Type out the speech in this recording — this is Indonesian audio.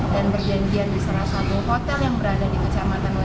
dan berjanjian di salah satu hotel yang berada di kecamatan w enam